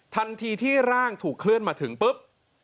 ทันทีที่ร่างถูกเคลื่อนมาถึงปุ๊บ